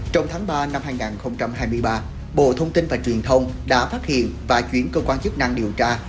trong tháng ba năm hai nghìn hai mươi ba bộ thông tin và truyền thông đã phát hiện và chuyển cơ quan chức năng điều tra